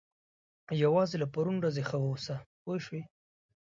یوازې له پرون ورځې ښه واوسه پوه شوې!.